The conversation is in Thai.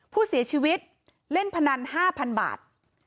ผู้เสียชีวิตเล่นพนัน๕๐๐๐บาท